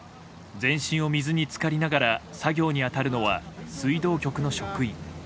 全身を水に浸かりながら作業に当たるのは水道局の職員。